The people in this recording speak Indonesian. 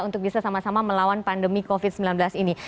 untuk bisa sama sama melawan pandemi covid sembilan belas ini